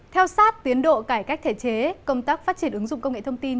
theo sát tiến độ cải cách thể chế công tác phát triển ứng dụng công nghệ thông tin